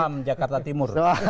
malam jakarta timur